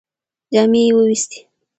جامې یې ووېستې.